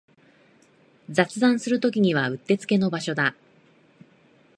雑談するときにうってつけの場所だ